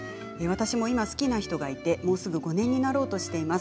私は今好きな人がいてもうすぐ５年になろうとしています。